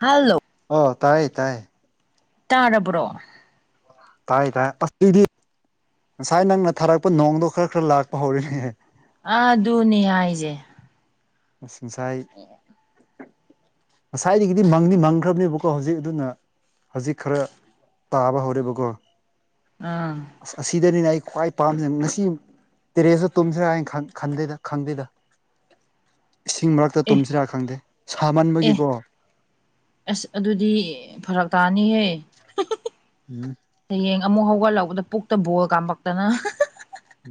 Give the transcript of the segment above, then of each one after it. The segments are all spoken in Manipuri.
ꯍꯜꯂꯣ ꯑꯣ ꯇꯥꯏꯌꯦ ꯇꯥꯏꯌꯦ ꯇꯥꯔꯕ꯭ꯔꯣ ꯇꯥꯏ ꯇꯥꯏ ꯑ [unintelligible] ꯉꯁꯥꯏ ꯅꯪꯅ ꯊꯥꯔꯛꯄ ꯅꯣꯡꯗꯣ ꯈꯔ ꯈꯔ ꯂꯥꯛꯄ ꯍꯧꯔꯦꯅꯦꯍ ꯑ ꯑꯗꯨꯅꯦ ꯍꯥꯏꯁꯦ ꯑꯁ ꯉꯁꯥꯏ [unintelligible] ꯉꯁꯥꯏꯗꯒꯤꯗꯤ ꯃꯪꯗꯤ ꯃꯪꯈ꯭ꯔꯕꯅꯦꯕꯀꯣ ꯍꯧꯖꯤꯛ ꯑꯗꯨꯅ ꯍꯧꯖꯤꯛ ꯈꯔ ꯇꯥꯕ ꯍꯧꯔꯦꯕꯀꯣ ꯑꯥ ꯑꯁ ꯑꯁꯤꯗꯅꯤꯅ ꯑꯩ ꯈ꯭ꯋꯥꯏ ꯄꯥꯝꯖꯦ ꯉꯁꯤ ꯇꯦꯔꯦꯁꯇ ꯇꯨꯝꯁꯤꯔꯥ ꯍꯥꯏꯅ ꯈꯟ ꯈꯟꯗꯦꯗ ꯈꯪꯗꯦꯗ ꯏꯁꯤꯡ ꯃꯔꯛꯇ ꯑꯦ ꯇꯨꯝꯁꯤꯔꯥ ꯈꯪꯗꯦ ꯑꯦ ꯁꯥꯃꯟꯕꯒꯤꯀꯣ ꯑꯁ ꯑꯗꯨꯗꯤ ꯐꯔꯛ ꯇꯥꯅꯤꯍꯦ ꯍ ꯍ ꯍ ꯎꯝ ꯍꯌꯦꯡ ꯑꯃꯨꯛ ꯍꯧꯒꯠꯂꯛꯄꯗ ꯄꯨꯛꯇ ꯕꯣꯜ ꯀꯥꯝꯃꯛꯇꯅ ꯍ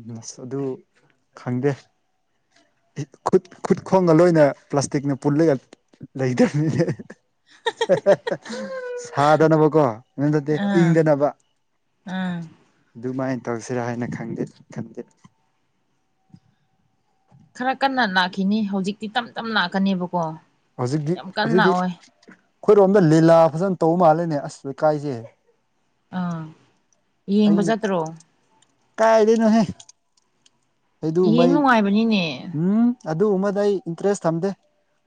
ꯅꯁ ꯑꯗꯨ ꯈꯪꯗꯦ ꯈꯨꯠ ꯈꯨꯠ ꯈꯣꯡꯒ ꯂꯣꯏꯅ ꯄ꯭ꯂꯥꯁꯇꯤꯛꯅ ꯄꯨꯂꯒ ꯂꯩꯗꯕꯅꯤꯅꯦ ꯍꯦ ꯍꯦ ꯍꯦ ꯁꯥꯗꯅꯕꯀꯣ ꯃꯝ ꯅꯠꯇꯦ ꯑꯥ ꯏꯪꯗꯅꯕ ꯑꯥ ꯑꯗꯨꯃꯥꯏꯅ ꯇꯧꯁꯤꯔꯥ ꯍꯥꯏꯅ ꯈꯪꯗꯦ ꯈꯟꯗꯦ ꯈꯔ ꯀꯟꯅ ꯅꯥꯈꯤꯅꯤ ꯍꯧꯖꯤꯛꯇꯤ ꯇꯞ ꯇꯞ ꯥꯂꯥꯛꯀꯅꯦꯕꯀꯣ ꯍꯧꯖꯤꯛꯇꯤ ꯑꯗꯨꯏꯗꯤ ꯑꯩꯈꯣꯏꯔꯣꯝꯗ ꯂꯤꯂꯥ ꯐꯖꯅ ꯇꯧꯕ ꯃꯥꯜꯂꯦꯅꯦ ꯑꯁ ꯂꯩꯀꯥꯏꯁꯦ ꯑꯥ ꯌꯦꯡꯕ ꯑꯩꯅꯦ ꯆꯠꯇ꯭ꯔꯣ ꯀꯥꯏꯗꯩꯅꯣꯍꯦ ꯑꯩ ꯗꯨꯒꯨꯝꯕ ꯌꯦꯡ ꯑꯩ ꯅꯨꯡꯉꯥꯏꯕꯅꯤꯅꯦ ꯎꯝ ꯑꯗꯨꯒꯨꯝꯕꯗ ꯑꯩ ꯏꯟꯇꯔꯦꯁ ꯊꯝꯗꯦ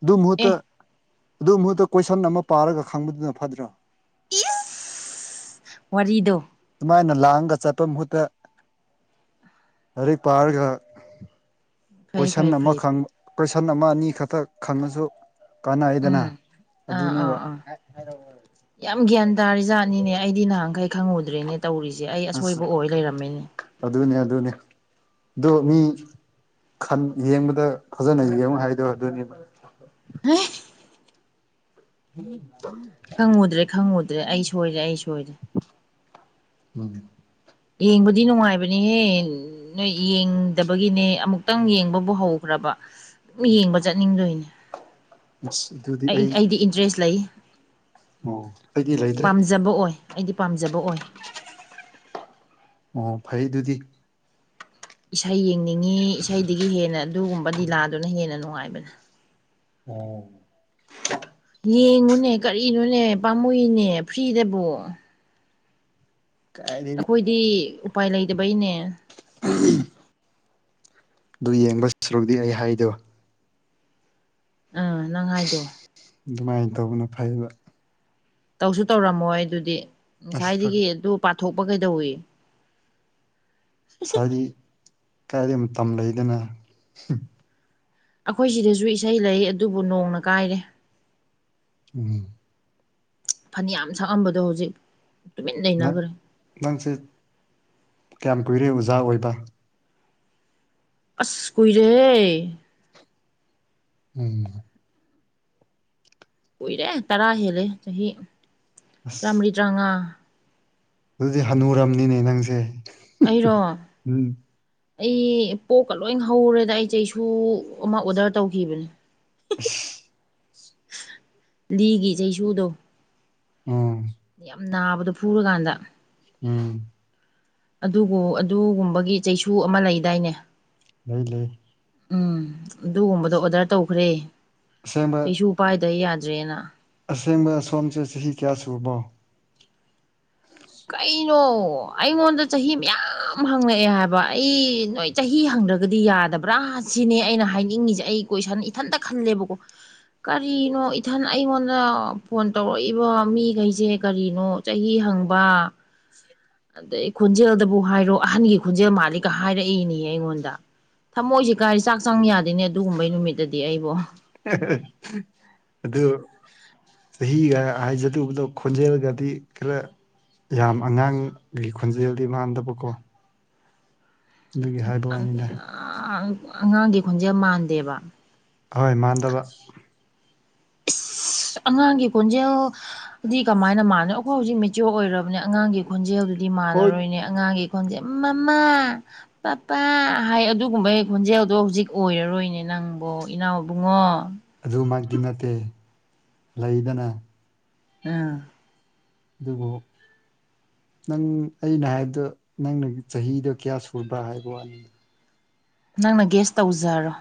ꯑꯗꯨ ꯑꯦ ꯃꯍꯨꯠꯇ ꯑꯗꯨ ꯃꯍꯨꯠꯇ ꯀꯣꯏꯁꯟ ꯑꯃ ꯄꯥꯔꯒ ꯈꯪꯕꯗꯨꯅ ꯐꯗ꯭ꯔꯣ ꯏꯖꯁ ꯋꯥꯔꯤꯗꯣ ꯑꯗꯨꯨꯃꯥꯏꯅ ꯂꯥꯡꯒ ꯆꯠꯄ ꯃꯍꯨꯠꯇ ꯂꯥꯏꯔꯤꯛ ꯄꯥꯔꯒ ꯐꯩ ꯀꯣꯏꯁꯟ ꯐꯩ ꯑꯃ ꯐꯩ ꯈꯪ ꯐꯩ ꯀꯣꯏꯁꯟ ꯑꯃ ꯑꯅꯤꯈꯛꯇ ꯈꯪꯉꯁꯨ ꯀꯥꯟꯅꯩꯗꯅꯥ ꯎꯝ ꯑꯥ ꯑꯥ ꯑꯗꯨꯅꯦꯕ ꯑꯥ ꯌꯥꯝ ꯒ꯭ꯌꯥꯟ ꯇꯥꯔꯤ ꯖꯥꯠꯅꯤꯅꯦ ꯑꯩꯗꯤ ꯅꯍꯥꯟꯈꯩ ꯈꯪꯉꯨꯗ꯭ꯔꯦꯅꯦ ꯇꯧꯔꯤꯁꯦ ꯑꯩ ꯑꯁ ꯑꯁꯣꯏꯕ ꯑꯣꯏ ꯂꯩꯔꯝꯃꯦꯅꯦ ꯑꯗꯨꯅꯦ ꯑꯗꯨꯅꯦ ꯑꯗꯣ ꯃꯤ ꯈꯟ ꯌꯦꯡꯕꯗ ꯐꯖꯅ ꯌꯦꯡꯉꯨ ꯍꯥꯏꯗꯣ ꯑꯗꯨꯅꯤꯕ [unintelligible] [unintelligible] ꯈꯪꯉꯨꯗ꯭ꯔꯦ ꯈꯪꯉꯨꯗ꯭ꯔꯦ ꯑꯩ ꯁꯣꯏꯔꯦ ꯑꯩ ꯁꯣꯏꯔꯦ ꯎꯝ ꯌꯦꯡꯕꯗꯤ ꯅꯨꯡꯉꯥꯏꯕꯅꯤꯍꯦ ꯅꯣꯏ ꯌꯦꯡꯗꯕꯒꯤꯅꯦ ꯑꯃꯨꯛꯇꯪ ꯌꯦꯡꯕꯕꯨ ꯍꯧꯈ꯭ꯔꯕ ꯌꯦꯡꯕ ꯆꯠꯅꯤꯡꯗꯣꯏꯅꯦ ꯏꯁ ꯑꯗꯨ ꯑꯩ ꯑꯩꯗꯤ ꯏꯟꯇ꯭ꯔꯦꯁ ꯂꯩ ꯑꯣ ꯑꯩꯗꯤ ꯂꯩꯇ꯭ꯔꯦ ꯄꯥꯝꯖꯕ ꯑꯣꯏ ꯑꯩꯗꯤ ꯄꯥꯝꯖꯕ ꯑꯣꯏ ꯑꯣ ꯐꯩ ꯑꯗꯨꯗꯤ ꯏꯁꯩ ꯌꯦꯡꯅꯤꯡꯉꯤ ꯏꯁꯩꯗꯒꯤ ꯍꯦꯟꯅ ꯑꯗꯨꯒꯨꯝꯕ ꯗꯤꯂꯥꯗꯨꯅ ꯍꯦꯟꯅ ꯅꯨꯡꯉꯥꯏꯕꯅꯦ [unintelligible] ꯌꯦꯡꯉꯨꯅꯦ ꯀꯔꯤꯅꯣꯅꯦ ꯄꯥꯝꯃꯨꯏꯅꯦ ꯐ꯭ꯔꯤꯗꯕꯨ ꯀꯥꯏꯗꯩꯅꯤ ꯑꯩꯈꯣꯏꯗꯤ ꯎꯄꯥꯏ ꯂꯩꯇꯕꯩꯅꯦ ꯑꯗꯨ ꯌꯦꯡꯕ ꯁꯔꯨꯛꯗꯤ ꯑꯩ ꯍꯥꯏꯗꯣ ꯑꯥ ꯅꯪ ꯍꯥꯏꯗꯣ ꯑꯗꯨꯃꯥꯏꯅ ꯇꯧꯕꯅ ꯐꯩꯕ ꯇꯧꯁꯨ ꯇꯧꯔꯝꯃꯣꯏ ꯑꯗꯨꯗꯤ ꯑꯁ ꯐꯔꯛ ꯉꯁꯥꯏꯗꯒꯤ ꯑꯗꯨ ꯄꯥꯊꯣꯛꯄ ꯀꯩꯗꯧꯋꯤ ꯉꯁꯥꯏꯗꯤ ꯈꯔꯗꯤ ꯃꯇꯝ ꯂꯩꯗꯅ ꯑꯩꯈꯣꯏ ꯁꯤꯗꯁꯨ ꯏꯁꯩ ꯂꯩ ꯑꯗꯨꯕꯨ ꯅꯣꯡꯅ ꯀꯥꯏꯔꯦ ꯎꯝ ꯐꯅꯌꯥꯝ ꯁꯛꯑꯝꯕꯗꯣ ꯍꯧꯖꯤꯛ ꯇꯨꯃꯤꯟ ꯅꯪ ꯂꯩꯅꯒꯔꯦ ꯅꯪꯁꯦ ꯀꯌꯥꯝ ꯀꯨꯏꯔꯦ ꯑꯣꯖꯥ ꯑꯣꯏꯕ ꯑꯁ ꯀꯨꯏꯔꯦꯍꯦ ꯎꯝ ꯀꯨꯏꯔꯦ ꯇꯔꯥ ꯍꯦꯜꯂꯦ ꯆꯍꯤ ꯑꯁ ꯇꯔꯥꯃꯔꯤ ꯇꯔꯥꯃꯉꯥ ꯑꯗꯨꯗꯤ ꯍꯅꯨꯔꯝꯅꯤꯅꯦ ꯅꯪꯁꯦ ꯑꯩꯔꯣ ꯎꯝ ꯑꯩ ꯄꯣꯛꯀ ꯂꯣꯏ ꯍꯧꯔꯦꯗ ꯑꯩ ꯆꯩꯁꯨ ꯑꯃ ꯑꯣꯗꯔ ꯇꯧꯈꯤꯕꯅꯦ ꯏꯁ [inaudible] ꯂꯤꯒꯤ ꯆꯩꯁꯨꯗꯣ ꯑꯣ ꯌꯥꯝ ꯅꯥꯕꯗꯣ ꯐꯨꯔꯀꯥꯟꯗ ꯎꯝ ꯑꯗꯨꯕꯨ ꯑꯗꯨꯒꯨꯝꯕꯒꯤ ꯆꯩꯁꯨ ꯑꯃ ꯂꯩꯗꯥꯏꯅꯦ ꯂꯩ ꯂꯩ ꯎꯝ ꯑꯗꯨꯒꯨꯝꯕꯗꯣ ꯑꯣꯗꯔ ꯇꯧꯈ꯭ꯔꯦ ꯑꯁꯦꯡꯕ ꯆꯩꯁꯨ ꯄꯥꯏꯗ ꯌꯥꯗ꯭ꯔꯦꯅ ꯑꯁꯦꯡꯕ ꯁꯣꯝꯁꯦ ꯆꯍꯤ ꯀꯌꯥ ꯁꯨꯔꯕꯣ ꯀꯩꯅꯣ ꯑꯩꯉꯣꯟꯗ ꯆꯍꯤ ꯃꯌꯥꯝ ꯍꯪꯉꯛꯑꯦ ꯍꯥꯏꯕ ꯑꯩ ꯅꯣꯏ ꯆꯍꯤ ꯍꯪꯗ꯭ꯔꯒꯗꯤ ꯌꯥꯗꯕ꯭ꯔꯥ ꯁꯤꯅꯤ ꯑꯩꯅ ꯍꯥꯏꯅꯤꯡꯉꯤꯁꯦ ꯑꯩ ꯀꯣꯏꯁꯟ ꯏꯊꯟꯇ ꯈꯜꯂꯦꯕꯀꯣ ꯀꯔꯤꯅꯣ ꯏꯊꯟ ꯑꯩꯉꯣꯟꯗ ꯐꯣꯟ ꯇꯧꯔꯛꯏꯕ ꯃꯤꯈꯩꯁꯦ ꯀꯔꯤꯅꯣ ꯆꯍꯤ ꯍꯪ ꯄ ꯑꯗꯩ ꯈꯣꯟꯖꯦꯜꯗꯕꯨ ꯍꯥꯏꯔꯣ ꯑꯍꯟꯒꯤ ꯈꯣꯟꯖꯦꯜ ꯃꯥꯜꯂꯤꯀꯥ ꯍꯥꯏꯔꯛꯏꯅꯦ ꯑꯩꯉꯣꯟꯗ ꯊꯝꯃꯣꯏꯁꯤ ꯀꯥꯏ ꯆꯥꯛ ꯆꯪ ꯌꯥꯗꯦꯅꯦ ꯑꯗꯨꯒꯨꯝꯕꯩ ꯅꯨꯃꯤꯠꯇꯗꯤ ꯑꯩꯕꯨ ꯍꯦ ꯍꯦ ꯑꯗꯨ ꯆꯍꯤꯒ ꯍꯥꯏꯖꯗꯕꯗꯣ ꯈꯣꯟꯖꯦꯜꯒꯗꯤ ꯈꯔ ꯌꯥꯝ ꯑꯉꯥꯡꯒꯤ ꯈꯣꯟꯖꯦꯜꯗꯤ ꯃꯥꯟꯗꯕꯀꯣ ꯑꯗꯨꯒꯤ ꯍꯥꯏꯕ ꯋꯥꯅꯤꯗ ꯑꯉꯥꯡꯒꯤ ꯈꯣꯟꯖꯦꯜ ꯃꯥꯟꯗꯦꯕ ꯍꯣꯏ ꯃꯥꯟꯗꯕ ꯏꯁ ꯑꯉꯥꯡꯒꯤ ꯈꯣꯟꯖꯦꯜ ꯑꯗꯨꯗꯤ ꯀꯃꯥꯏꯅ ꯃꯥꯟꯅ ꯑꯩꯈꯣꯏ ꯍꯧꯖꯤꯛ ꯃꯦꯆꯤꯌꯣꯔ ꯑꯣꯏꯔꯕꯅꯦ ꯑꯉꯥꯡꯒꯤ ꯈꯣꯟꯖꯦꯜꯗꯨꯗꯤ ꯍꯣꯏ ꯃꯥꯟꯂꯔꯣꯏꯅꯦ ꯑꯉꯥꯡꯒꯤ ꯈꯣꯟꯖꯦꯟ ꯃꯃꯥ ꯄꯥꯄꯥ ꯍꯥꯏ ꯑꯗꯨꯒꯨꯝꯕꯒꯤ ꯈꯣꯟꯖꯦꯜꯗꯣ ꯍꯧꯖꯤꯛ ꯑꯣꯏꯔꯔꯣꯏꯅꯦ ꯅꯪꯕꯣ ꯏꯅꯥꯎ ꯏꯕꯨꯡꯉꯣ ꯑꯗꯨꯃꯛꯇꯤ ꯅꯠꯇꯦ ꯂꯩꯗꯅ ꯎꯝ ꯑꯗꯨꯕꯨ ꯅꯪ ꯑꯩꯅ ꯍꯥꯏꯕꯗꯣ ꯅꯪꯅ ꯆꯍꯤꯗꯣ ꯀꯌꯥ ꯁꯨꯕ꯭ꯔꯥ ꯍꯥꯏꯕ ꯋꯥꯅꯤ ꯅꯪꯅ ꯒꯦꯌꯥ꯭ꯁ ꯇꯧꯖꯔꯣ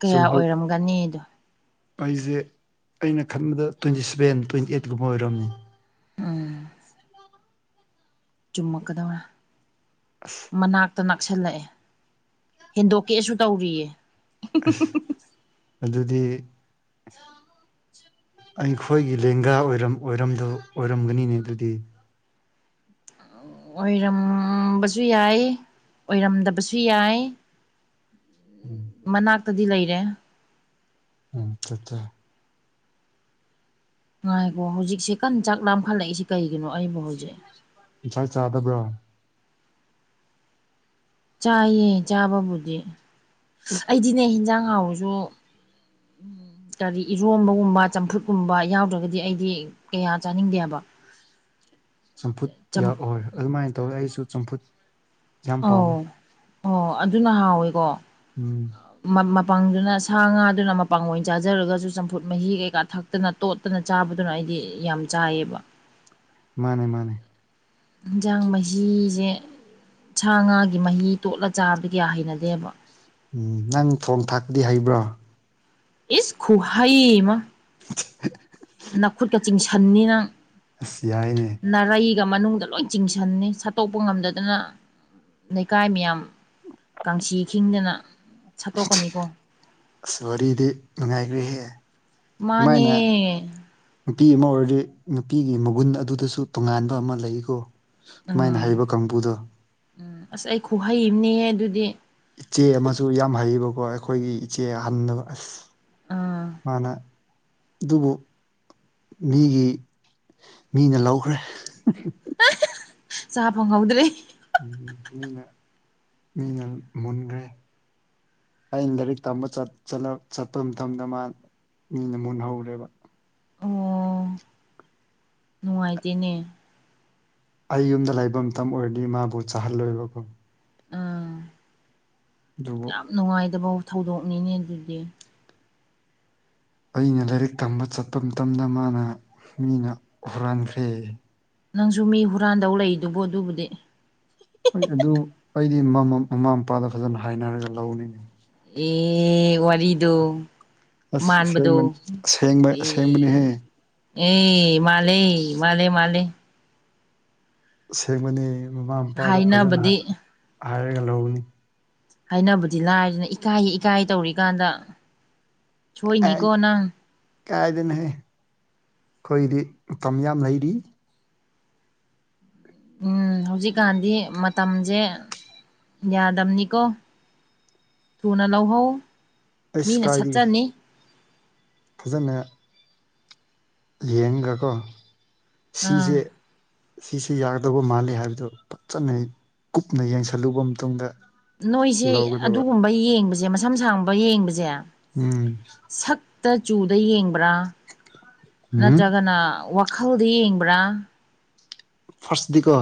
ꯀꯌꯥ ꯁꯨꯝ ꯍꯧ ꯑꯣꯏꯔꯝꯒꯅꯤꯗꯣ ꯑꯩꯁꯦ ꯑꯩꯅ ꯈꯟꯕꯗ ꯇ꯭ꯋꯦꯟꯇꯤ ꯁꯕꯦꯟ ꯇ꯭ꯋꯦꯟꯇꯤ ꯑꯩꯠꯀꯨꯝꯕ ꯑꯣꯏꯔꯝꯅꯤ ꯆꯨꯝꯃꯛꯀꯗꯧꯔꯦ ꯑꯁ ꯃꯅꯥꯛꯇ ꯅꯛꯁꯜꯂꯛꯑꯦ ꯍꯦꯟꯗꯣꯛꯀꯦꯁꯨ ꯇꯧꯔꯤꯌꯦ ꯑꯁ ꯑꯗꯨꯗꯤ ꯑꯩꯈꯣꯏꯒꯤ ꯂꯦꯡꯒꯥ ꯑꯣꯏꯔꯝ ꯑꯣꯏꯔꯝꯗꯧ ꯑꯣꯏꯔꯝꯒꯅꯤꯅꯦ ꯑꯗꯨꯗꯤ ꯑꯥꯎ [inaudible] ꯑꯣꯏꯔꯝꯕꯁꯨ ꯌꯥꯏ ꯑꯣꯏꯔꯝꯗꯕꯁꯨ ꯌꯥꯏ ꯎꯝ ꯃꯅꯥꯛꯇꯗꯤ ꯂꯩꯔꯦ ꯎꯝ ꯆꯥ ꯆꯥ ꯉꯥꯏꯈꯣ ꯍꯧꯖꯤꯛꯁꯦ ꯀꯟ ꯆꯥꯛ ꯂꯥꯝꯈꯠꯂꯛꯏꯁꯤ ꯀꯩꯒꯤꯅꯣ ꯑꯩꯕꯨ ꯍꯧꯖꯤꯛ ꯉꯁꯥꯏ ꯆꯥꯗꯕ꯭ꯔ ꯆꯥꯏꯌꯦ ꯆꯥꯕꯕꯨꯗꯤ ꯑꯩꯗꯤꯅꯦ ꯍꯤꯟꯖꯥꯡ ꯍꯥꯎꯔꯁꯨ ꯎꯝ ꯀꯔꯤ ꯏꯔꯣꯝꯕꯒꯨꯝꯕ ꯆꯝꯐꯨꯠꯀꯨꯝꯕ ꯌꯥꯎꯗ꯭ꯔꯒꯗꯤ ꯑꯩꯗꯤ ꯀꯌꯥ ꯆꯥꯅꯤꯡꯗꯦꯕ ꯆꯝꯐꯨꯠ ꯌꯥꯎ ꯆꯝ ꯑꯣꯏ ꯑꯗꯨꯃꯥꯏ ꯇꯧꯔ ꯑꯩꯁꯨ ꯆꯝꯐꯨꯠ ꯌꯥꯝ ꯄꯥꯝꯃꯦ ꯑꯧ ꯑꯣ ꯑꯗꯨꯅ ꯍꯥꯎꯋꯦꯀꯣ ꯎꯝ ꯃꯄꯪꯗꯨꯅ ꯁꯥ ꯉꯥꯗꯨꯅ ꯃꯄꯪ ꯑꯣꯏ ꯆꯥꯖꯔꯒꯁꯨ ꯆꯝꯐꯨꯠ ꯃꯍꯤ ꯀꯩꯀꯥ ꯊꯛꯇꯅ ꯇꯣꯠꯇꯅ ꯆꯥꯕꯗꯨꯅ ꯑꯩꯗꯤ ꯌꯥꯝ ꯆꯥꯏꯌꯦꯕ ꯃꯥꯅꯦ ꯃꯥꯅꯦ ꯌꯦꯟꯖꯥꯡ ꯃꯍꯤꯁꯦ ꯁꯥ ꯉꯥꯒꯤ ꯃꯍꯤ ꯇꯣꯠꯂ ꯆꯥꯕꯗꯤ ꯀꯌꯥ ꯍꯩꯅꯗꯦꯕ ꯎꯝ ꯅꯪ ꯊꯣꯡ ꯊꯥꯛꯄꯗꯤ ꯍꯩꯕ꯭ꯔ ꯏꯁ ꯈꯨꯍꯩꯃ [unintelligible] ꯅꯥꯈꯨꯠꯀ ꯆꯤꯡꯁꯟꯅꯤ ꯅꯪ ꯑꯁ ꯌꯥꯏꯅꯦ ꯅꯥꯔꯩꯒ ꯃꯅꯨꯡꯗ ꯂꯣꯏ ꯆꯤꯡꯁꯟꯅꯤ ꯁꯠꯇꯣꯛꯄ ꯉꯝꯗꯗꯅ ꯂꯩꯀꯥꯏ ꯃꯌꯥꯝ ꯀꯥꯡꯁꯤ ꯈꯤꯡꯗꯅ ꯁꯠꯇꯣꯛꯀꯅꯤꯀꯣ ꯑꯁ ꯋꯥꯔꯤꯗꯤ ꯅꯨꯡꯉꯥꯏꯒ꯭ꯔꯦꯍꯦ ꯃꯥꯅꯦ ꯅꯨꯄꯤ ꯑꯃ ꯑꯣꯏꯔꯗꯤ ꯅꯨꯄꯤꯒꯤ ꯃꯒꯨꯟ ꯑꯗꯨꯗꯁꯨ ꯇꯣꯉꯥꯟꯕ ꯑꯃ ꯂꯩꯀꯣ ꯃꯥꯏꯅ ꯎꯝ ꯍꯩꯕ ꯀꯥꯡꯕꯨꯗꯣ ꯎꯝ ꯑꯁ ꯑꯩ ꯈꯨꯍꯩꯑꯝꯅꯤꯍꯦ ꯑꯗꯨꯗꯤ ꯏꯆꯦ ꯑꯃꯁꯨ ꯌꯥꯝ ꯍꯩꯕꯀꯣ ꯑꯩꯈꯣꯏꯒꯤ ꯏꯆꯦ ꯍꯟꯗꯕ ꯑꯁ ꯑꯥ ꯃꯥꯅ ꯑꯗꯨꯕꯨ ꯃꯤꯒꯤ ꯃꯤꯅ ꯂꯧꯈ꯭ꯔꯦ [unintelligible] ꯆꯥ ꯐꯪꯍꯧꯗ꯭ꯔꯦ ꯎꯝ ꯃꯤꯅ ꯃꯤꯅ ꯃꯨꯟꯒ꯭ꯔꯦ ꯑꯩꯅ ꯂꯥꯏꯔꯤꯛ ꯇꯝꯕ ꯆꯠ ꯆꯂꯛ ꯆꯠꯄ ꯃꯇꯝꯗ ꯃꯥ ꯃꯤꯅ ꯃꯨꯟꯍꯧꯔꯦꯕ ꯑꯣ ꯅꯨꯡꯉꯥꯏꯇꯦꯅꯦ ꯑꯩ ꯌꯨꯝꯗ ꯂꯩꯕ ꯃꯇꯝ ꯑꯣꯏꯔꯗꯤ ꯃꯥꯕꯨ ꯆꯥꯍꯜꯂꯣꯏꯕꯀꯣ ꯑ ꯗꯨꯕꯨ ꯅꯨꯡꯉꯥꯏꯇꯕ ꯊꯧꯗꯣꯛꯅꯤꯅꯦ ꯑꯗꯨꯗꯤ ꯑꯩꯅ ꯂꯥꯏꯔꯤꯛ ꯇꯝꯕ ꯆꯠꯄ ꯃꯇꯝꯗ ꯃꯥꯅ ꯃꯤꯅ ꯍꯨꯔꯥꯟꯈ꯭ꯔꯦ ꯅꯪꯁꯨ ꯃꯤ ꯍꯨꯔꯥꯟꯗꯧ ꯂꯩꯗꯨꯕꯨ ꯑꯗꯨꯕꯨꯗꯤ ꯍꯣꯏ ꯑꯗꯨ ꯑꯩꯗꯤ ꯃꯃ ꯃꯃꯥ ꯃꯄꯥꯗ ꯐꯖꯅ ꯍꯥꯏꯅꯔꯒ ꯂꯧꯅꯤꯅꯦ ꯑꯦ ꯋꯥꯔꯤꯗꯣ ꯑꯁ ꯃꯥꯟꯕꯗꯣ ꯑꯁꯦꯡꯕ ꯑꯁꯦꯡꯕ ꯑꯦ ꯑꯁꯦꯡꯕꯅꯤꯍꯦ ꯑꯦ ꯃꯥꯜꯂꯦ ꯃꯥꯜꯂꯦ ꯃꯥꯜꯂꯦ ꯑꯁꯦꯡꯕꯅꯤ ꯃꯃꯥ ꯃꯄꯥꯗ ꯐꯖꯅ ꯍꯥꯏꯅꯕꯗꯤ ꯍꯥꯏꯔꯒ ꯂꯧꯒꯅꯤ ꯍꯥꯏꯅꯕꯗꯤ ꯂꯥꯏꯔꯗꯅ ꯏꯀꯥꯏ ꯏꯀꯥꯏ ꯇꯧꯔꯤꯀꯥꯟꯗ ꯁꯣꯏꯅꯤꯀꯣ ꯅꯪ ꯀꯥꯏꯗꯩꯅꯣꯍꯦ ꯈꯣꯏꯗꯤ ꯃꯇꯝ ꯌꯥꯝ ꯂꯩꯔꯤ ꯎꯝ ꯍꯧꯖꯤꯛꯀꯥꯟꯗꯤ ꯃꯇꯝꯁꯦ ꯌꯥꯗꯝꯅꯤꯀꯣ ꯊꯨꯅ ꯂꯧꯍꯧ ꯑꯩꯁ ꯃꯤꯅ ꯀꯥꯏꯗꯒꯤ ꯁꯠꯆꯅꯤ ꯐꯖꯅ ꯌꯦꯡꯒꯀꯣ ꯁꯤꯁꯦ ꯑꯥ ꯁꯤꯁꯦ ꯌꯥꯒꯗꯕ ꯃꯥꯜꯂꯤ ꯍꯥꯏꯕꯗꯨ ꯐꯖꯅ ꯀꯨꯞꯅ ꯌꯦꯡꯁꯜꯂꯨꯕ ꯃꯇꯨꯡꯗ ꯅꯣꯏꯁꯦ ꯂꯧꯒꯗꯕ ꯑꯗꯨꯒꯨꯝꯕ ꯌꯦꯡꯕꯁꯦ ꯃꯁꯝ ꯁꯥꯡꯕ ꯌꯦꯡꯕꯁꯦ ꯎꯝ ꯁꯛꯇ ꯆꯨꯗ ꯌꯦꯡꯕ꯭ꯔꯥ ꯎꯝ ꯅꯠꯇ꯭ꯔꯒꯅ ꯋꯥ ꯈꯜꯗ ꯌꯦꯡꯕ꯭ꯔꯥ ꯐꯥꯔꯁꯗꯗꯤꯀꯣ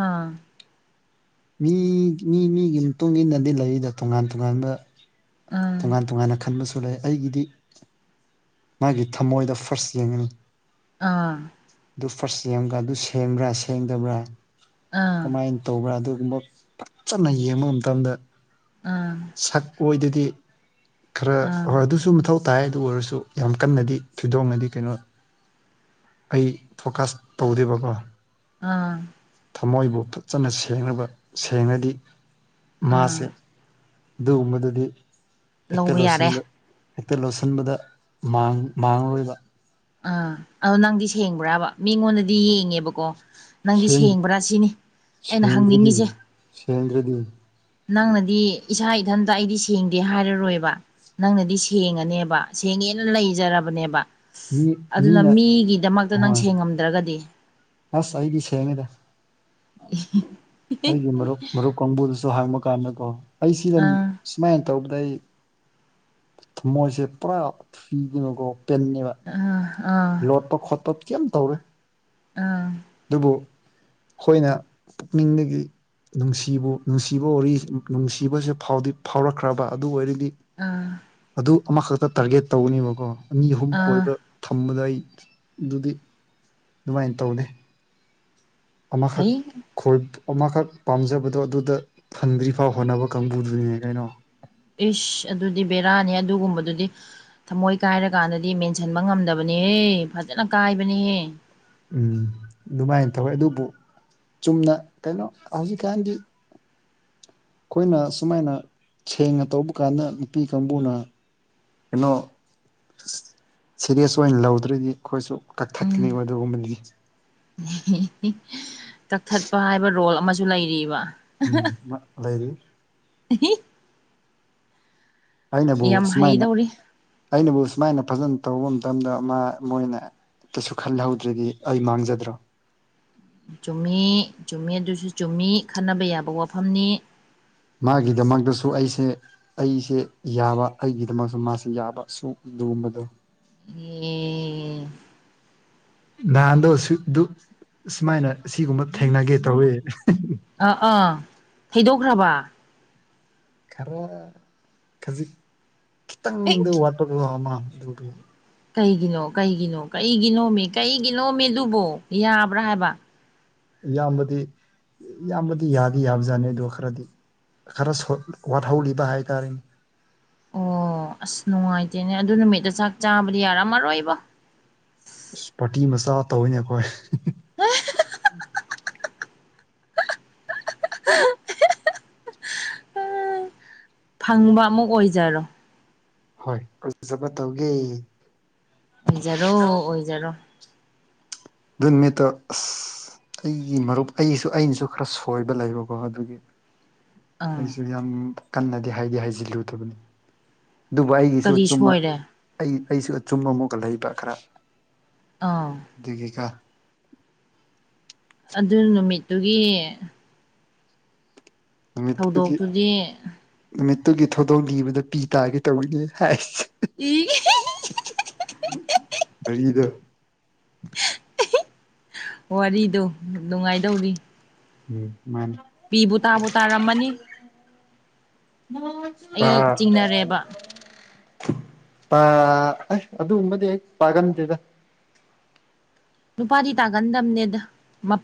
ꯑꯥ ꯃꯤ ꯃꯤ ꯃꯤꯒꯤ ꯃꯇꯨꯡ ꯏꯟꯅꯗꯤ ꯂꯩꯌꯦꯗ ꯇꯣꯉꯥꯟ ꯇꯣꯉꯥꯟꯕ ꯑꯥ ꯇꯣꯉꯥꯟ ꯇꯣꯉꯥꯟꯅ ꯈꯟꯕꯁꯨ ꯁꯨ ꯂꯩ ꯑꯩꯒꯤꯗꯤ ꯃꯥꯒꯤ ꯊꯝꯃꯣꯏꯗ ꯐꯥꯔꯁ ꯌꯦꯡꯉꯅꯤ ꯑꯥ ꯑꯗꯨ ꯐꯥꯔꯁ ꯌꯦꯡꯉꯒ ꯑꯗꯨ ꯁꯦꯡꯕ꯭ꯔꯥ ꯁꯦꯡꯗꯕ꯭ꯔꯥ ꯑꯥ ꯀꯃꯥꯏꯅ ꯇꯧꯕ꯭ꯔꯥ ꯑꯗꯨꯒꯨꯝꯕ ꯐꯖꯅ ꯌꯦꯡꯕ ꯃꯇꯝꯗ ꯑꯥ ꯁꯛ ꯑꯣꯏꯗꯗꯤ ꯈꯔ ꯑꯥ ꯍꯣꯏ ꯑꯗꯨꯁꯨ ꯃꯊꯧ ꯇ ꯇꯥꯏ ꯑꯗꯨ ꯑꯣꯏꯔꯁꯨ ꯌꯥꯝ ꯀꯟꯅꯗꯤ ꯊꯣꯏꯗꯣꯛꯅꯗꯤ ꯀꯩꯅꯣ ꯑꯩ ꯐꯣꯀꯥꯁ ꯇꯧꯗꯦꯕꯀꯣ ꯑꯥ ꯊꯃꯣꯏꯕꯨ ꯐꯖꯅ ꯁꯦꯡꯅꯕ ꯁꯦꯡꯉꯗꯤ ꯃꯥꯁꯦ ꯑꯥ ꯑꯗꯨꯒꯨꯝꯕꯗꯨꯗꯤ ꯍꯦꯛꯇ ꯂꯧꯕ ꯌꯥꯔꯦ ꯂꯣꯠꯁꯤꯟꯕ ꯍꯦꯛꯇ ꯂꯣꯠꯁꯤꯟꯕꯗ ꯃꯥꯡꯉꯔꯣꯏꯕ ꯑꯥ ꯑꯗꯣ ꯅꯪꯗꯤ ꯁꯦꯡꯕ꯭ꯔꯥꯕ ꯃꯤꯉꯣꯟꯗꯗꯤ ꯌꯦꯡꯉꯦꯕꯀꯣ ꯅꯪꯗꯤ ꯁꯦꯡ ꯁꯦꯡꯕ꯭ꯔꯥ ꯁꯤꯅꯤ ꯑꯩꯅ ꯁꯦꯡꯗ꯭ꯔꯗꯤ ꯍꯪꯅꯤꯡꯉꯤꯁꯦ ꯁꯦꯡꯗ꯭ꯔꯗꯤ ꯅꯪꯅꯗꯤ ꯏꯁꯥ ꯏꯊꯟꯇ ꯑꯩꯗꯤ ꯁꯦꯡꯗꯦ ꯍꯥꯏꯔꯔꯣꯏꯕ ꯅꯪꯅꯗꯤ ꯁꯦꯡꯉꯅꯦꯕ ꯁꯦꯡꯉꯦꯅ ꯂꯩꯖꯔꯕꯅꯦꯕ ꯃꯤ ꯑꯗꯨꯅ ꯃꯤꯅ ꯃꯤꯒꯤꯗꯃꯛꯇ ꯅꯪ ꯍꯣꯏ ꯁꯦꯡꯉꯝꯗ꯭ꯔꯒꯗꯤ ꯑꯁ ꯑꯩꯗꯤ ꯁꯦꯡꯉꯦꯗꯥ ꯑꯩꯒꯤ ꯃꯔꯨꯞ ꯃꯔꯨꯞ ꯀꯥꯡꯕꯨꯗꯨꯁꯨ ꯍꯥꯡꯕ ꯀꯥꯟꯗꯀꯣ ꯑꯩꯁꯤꯗ ꯑꯥ ꯁꯨꯃꯥꯏꯅ ꯇꯧꯕꯗ ꯑꯩ ꯊꯃꯣꯏꯁꯦ ꯄꯨꯔꯥ ꯊꯨꯈꯤꯕꯕꯀꯣ ꯄꯟꯅꯦꯕ ꯎ ꯑꯥ ꯈꯣꯠꯄ ꯈꯣꯠꯄ ꯀꯩꯝ ꯇꯧꯔꯣꯏ ꯑꯥ ꯑꯗꯨꯕꯨ ꯑꯩꯈꯣꯏꯅ ꯄꯨꯛꯅꯤꯡꯗꯒꯤ ꯅꯨꯡꯁꯤꯕꯨ ꯅꯨꯡꯁꯤꯕ ꯋꯥꯔꯤ ꯅꯨꯡꯁꯤꯕꯁꯦ ꯐꯥꯎꯗꯤ ꯐꯥꯎꯔꯛꯈ꯭ꯔꯕ ꯑꯗꯨ ꯑꯣꯏꯔꯗꯤ ꯑꯥ ꯑꯗꯨ ꯑꯃꯈꯛꯇ ꯇꯥꯔꯒꯦꯠ ꯇꯧꯒꯅꯦꯕꯀꯣ ꯑꯅꯤ ꯑꯍꯨꯝ ꯑꯥ ꯀꯣꯏꯕ ꯊꯝꯕꯗ ꯑꯩ ꯑꯗꯨꯗꯤ ꯑꯗꯨꯃꯥꯏꯅ ꯇꯧꯗꯦ ꯑꯃꯈꯛ ꯍꯩ ꯈꯣꯏ ꯑꯃꯈꯛ ꯄꯥꯝꯖꯕꯗꯣ ꯑꯗꯨꯗ ꯐꯪꯗ꯭ꯔꯤ ꯐꯥꯎ ꯍꯣꯠꯅꯕ ꯀꯥꯡꯕꯨꯗꯨꯅꯤꯅꯦ ꯀꯩꯅꯣ ꯏꯁ ꯑꯗꯨꯗꯤ ꯕꯦꯔꯥꯅꯤ ꯑꯗꯨꯒꯨꯝꯕꯗꯨꯗꯤ ꯊꯃꯣꯏ ꯀꯥꯏꯔ ꯀꯥꯟꯗꯗꯤ ꯃꯦꯟꯁꯤꯟꯕ ꯉꯝꯗꯕꯅꯤꯍꯦ ꯐꯖꯅ ꯀꯥꯏꯕꯅꯤꯍꯦ ꯎꯝ ꯑꯗꯨꯃꯥꯏꯅ ꯇꯧꯋꯦ ꯑꯗꯨꯕꯨ ꯆꯨꯝꯅ ꯀꯩꯅꯣ ꯍꯧꯖꯤꯛꯀꯥꯟꯗꯤ ꯑꯩꯈꯣꯏꯅ ꯁꯨꯃꯥꯏꯅ ꯁꯦꯡꯅ ꯇꯧꯕ ꯀꯥꯟꯗ ꯅꯨꯄꯤ ꯀꯥꯡꯕꯨꯅ ꯀꯩꯅꯣ ꯁꯦꯔꯤꯌꯁ ꯑꯣꯏꯅ ꯂꯧꯗ꯭ꯔꯗꯤ ꯑꯩꯈꯣꯏꯁꯨ ꯀꯛꯊꯠꯀꯅꯤ ꯑꯗꯨꯒꯨꯝꯕꯗꯨꯗꯤ ꯀꯛꯊꯠꯄ ꯍꯥꯏꯕ ꯔꯣꯜ ꯑꯃꯁꯨ ꯂꯩꯔꯤꯕ ꯎꯝ ꯂꯩ ꯂꯩꯔꯤ ꯍ [unintelligible] ꯑꯩꯅꯕꯨ ꯌꯥꯝ ꯁꯨꯃꯥꯏꯅ ꯍꯩꯗꯧꯔꯤ ꯑꯩꯅꯕꯨ ꯁꯨꯃꯥꯏꯅ ꯐꯖꯅ ꯇꯧꯕ ꯃꯇꯝꯗ ꯃꯥ ꯃꯣꯏꯅ ꯇꯁꯨ ꯈꯜꯍꯧꯗ꯭ꯔꯗꯤ ꯑꯩ ꯃꯥꯡꯖꯗ꯭ꯔꯣ ꯆꯨꯝꯃꯤ ꯆꯨꯝꯃꯤ ꯑꯗꯨꯁꯨ ꯆꯨꯝꯃꯤ ꯈꯟꯅꯕ ꯌꯥꯕ ꯋꯥꯐꯝꯅꯤ ꯃꯥꯒꯤꯗꯃꯛꯇꯁꯨ ꯑꯩꯁꯦ ꯑꯩꯁꯦ ꯌꯥꯕ ꯑꯩꯒꯤꯗꯃꯛꯁꯨ ꯃꯥꯁꯦ ꯌꯥꯕ ꯁꯨ ꯅꯣꯝꯕꯗꯣ ꯑꯦ ꯅꯍꯥꯟꯗꯣ ꯁꯨꯃꯥꯏꯅ ꯁꯤꯒꯨꯝꯕ ꯊꯦꯡꯅꯒꯦ ꯇꯧꯋꯦ ꯑꯥ ꯑꯥ ꯊꯩꯗꯣꯛꯈ꯭ꯔꯕ ꯈꯔ ꯈꯥꯖꯤꯛ ꯑꯦ ꯈꯤꯇꯪꯗ ꯋꯥꯠꯄꯗꯣ ꯃꯥꯛ ꯑꯗꯨꯒꯤ ꯀꯩꯒꯤꯅꯣ ꯀꯩꯒꯤꯅꯣ ꯀꯩꯒꯤꯅꯣꯃꯦ ꯀꯩꯒꯤꯅꯣꯃꯦ ꯑꯗꯨꯕꯣ ꯌꯥꯕ꯭ꯔꯥ ꯍꯥꯏꯕ ꯏꯌꯥꯝꯕꯗꯤ ꯌꯥꯝꯕꯗꯤ ꯌꯥꯗꯤ ꯌꯥꯕꯖꯥꯠꯅꯤ ꯑꯗꯨꯒ ꯈꯔꯗꯤ ꯈꯔ ꯋꯥꯠꯍꯧꯂꯤꯕ ꯍꯥꯏꯇꯥꯔꯦꯅꯦ ꯑꯣ ꯑꯁ ꯅꯨꯡꯉꯥꯏꯇꯦꯅꯦ ꯑꯗꯨ ꯅꯨꯃꯤꯠꯇ ꯆꯥꯛ ꯆꯥꯕꯗꯤ ꯌꯥꯔꯝꯃꯔꯣꯏꯕꯣ ꯄꯥꯔꯇꯤ ꯃꯆꯥ ꯇꯧꯋꯤꯅꯦ ꯑꯩꯈꯣꯏ ꯎꯝ [inaudible] ꯎ [inaudible] ꯐꯪꯕ ꯑꯃꯨꯛ ꯑꯣꯏꯖꯔꯣ ꯍꯣꯏ ꯐꯖꯕ ꯇꯧꯒꯦ ꯑꯣꯏꯖꯔꯣ ꯑꯣꯏꯖꯔꯣ ꯑꯗꯨ ꯅꯨꯃꯤꯠꯇꯣ ꯑꯁ ꯑꯩꯒꯤ ꯃꯔꯨꯞ ꯑꯩꯁꯨ ꯑꯩꯅꯁꯨ ꯈꯔ ꯁꯣꯏꯕ ꯂꯩꯕꯀꯣ ꯑꯗꯨꯒꯤ ꯑꯥ ꯑꯩꯁꯨ ꯌꯥꯝ ꯀꯟꯅꯗꯤ ꯍꯥꯏꯗꯤ ꯍꯥꯏꯖꯤꯜꯂꯨꯗꯕꯅꯤ ꯑꯗꯨꯕꯨ ꯑꯩꯒꯤꯁꯨ ꯀꯔꯤ ꯑꯆꯨꯝꯕ ꯁꯣꯏꯔꯦ ꯑꯩ ꯑꯩꯁꯨ ꯑꯆꯨꯝꯕ ꯑꯃꯨꯛꯒ ꯂꯩꯕ ꯈꯔ ꯑꯥ ꯑꯗꯨꯒꯤ ꯒꯣ ꯑꯗꯨ ꯅꯨꯃꯤꯠꯇꯨꯒꯤ ꯅꯨꯃꯤꯠꯇꯨꯒꯤ ꯊꯧꯗꯣꯛꯇꯨꯗꯤ ꯅꯨꯃꯤꯠꯇꯨꯒꯤ ꯊꯧꯗꯣꯡ ꯢꯕꯗ ꯄꯤ ꯇꯥꯒꯦ ꯇꯧꯋꯤꯅꯦ ꯍꯩꯁ ꯎꯝ [inaudible] ꯑꯗ [inaudible] ꯋꯥꯔꯤꯗꯣ ꯅꯨꯡꯉꯥꯏꯗꯧꯔꯤ ꯎꯝ ꯃꯥꯅꯤ ꯄꯤꯕꯨ ꯇꯥꯕꯨ ꯇꯥꯔꯝꯃꯅꯤ ꯑꯩ ꯑꯥ ꯆꯤꯡꯅꯔꯦꯕ ꯑꯥ ꯍꯩ ꯑꯗꯨꯒꯨꯝꯕꯗꯤ ꯑꯩ ꯇꯥꯒꯟꯗꯦꯗ ꯅꯨꯄꯥꯗꯤ ꯇꯥꯒꯟꯗꯝꯅꯦꯗ ꯃꯞ